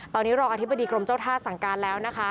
ตอนนี้รองอธิบดีกรมเจ้าท่าสั่งการแล้วนะคะ